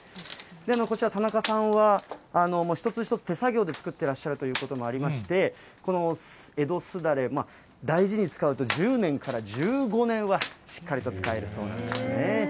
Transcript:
こちら、田中さんは一つ一つ手作業で作ってらっしゃるということもありまして、江戸すだれ、大事に使うと１０年から１５年はしっかりと使えるそうなんですね。